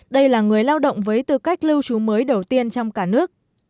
đây là người lao động với tư cách lưu trú mới đầu tiên trong cả nước